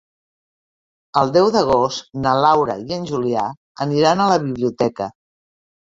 El deu d'agost na Laura i en Julià aniran a la biblioteca.